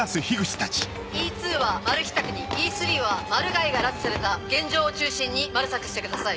Ｅ２はマルヒ宅にＥ３はマルガイが拉致された現場を中心にマル索してください。